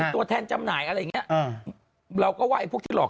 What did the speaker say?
ตัวแทนจำหน่ายอะไรอย่างนี้เราก็ว่าไอ้พวกที่หลอก